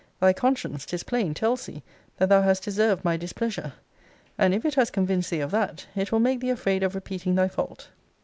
Thy conscience, 'tis plain, tells thee, that thou has deserved my displeasure: and if it has convinced thee of that, it will make thee afraid of repeating thy fault.